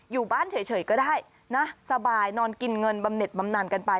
อยู่บ้านเฉยก็ได้นะสบายนอนกินเงินบำเน็ตบำนานกันไป